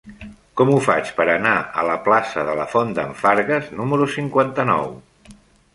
Com ho faig per anar a la plaça de la Font d'en Fargues número cinquanta-nou?